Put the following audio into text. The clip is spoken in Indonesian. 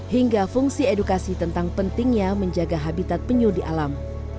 hingga fungsi edukasi tentang pentingnya menjaga habitat penyu di alam